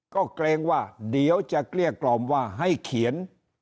ก็เกรงว่าเดี๋ยวจะเกลี้ยกล่อมว่าให้เขียน